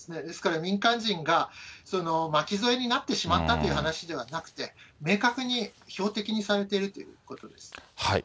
ですから民間人が巻き添えになってしまったという話ではなくて、明確に標的にされているということです。